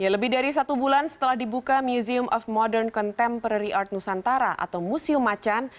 lebih dari satu bulan setelah dibuka museum of modern contemporary art nusantara atau museum macan